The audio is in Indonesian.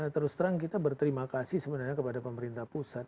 terus terang kita berterima kasih sebenarnya kepada pemerintah pusat